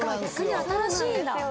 逆に新しいんだ。